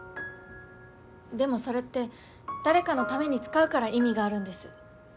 でもそれって誰かのために使うから意味があるんです。